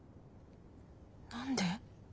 何で。